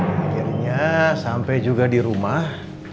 akhirnya sampai di rumah